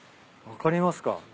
分かりますか？